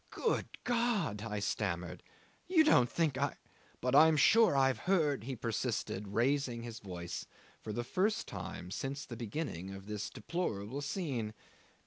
"Good God!" I stammered, "you don't think I ..." "But I am sure I've heard," he persisted, raising his voice for the first time since the beginning of this deplorable scene.